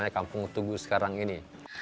kampung tugu sekarang ini